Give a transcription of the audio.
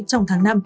trong tháng năm